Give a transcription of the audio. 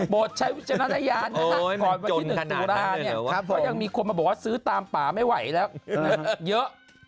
๔๔๗โบสถ์ใช้วิชยานาศยานนะครับก่อนมาคิดถึงตุราเนี่ยก็ยังมีคนมาบอกว่าซื้อตามป่าไม่ไหวแล้วเยอะ